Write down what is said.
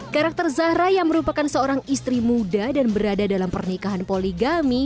karakter zahra yang merupakan seorang istri muda dan berada dalam pernikahan poligami